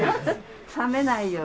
冷めないように。